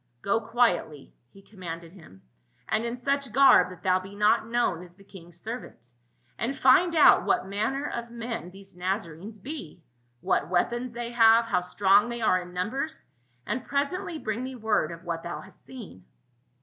" Go quietly," he commanded him, "and in such garb that thou be not known as the king's servant, and find out what manner of men these Nazarenes be, what weapons they have, how strong they are in numbers ; and pre sently bring me word of what thou hast seen."